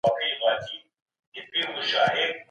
هغه غوښه چې رنګ یې تغیر کړی وي، هیڅکله مه پخوئ.